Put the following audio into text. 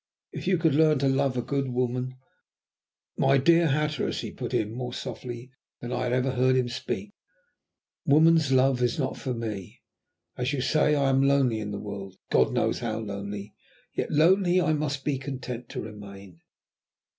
If you could learn to love a good woman " "My dear Hatteras," he put in, more softly than I had ever heard him speak, "woman's love is not for me. As you say, I am lonely in the world, God knows how lonely, yet lonely I must be content to remain."